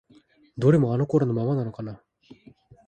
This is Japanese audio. どれもあの頃のままなのかな？